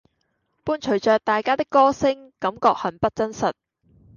伴隨著大家的歌聲，感覺很不真實